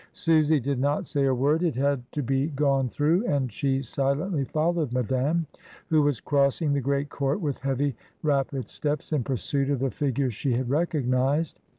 Susy did not say a word. It had to be gone through, and she silently followed Madame, who was crossing the great court with heavy rapid steps in pursuit of the figure she had recognised.